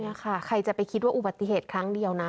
นี่ค่ะใครจะไปคิดว่าอุบัติเหตุครั้งเดียวนะ